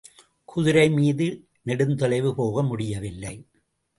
குதிரை மீது நெடுந்தொலைவு போக முடியவில்லை.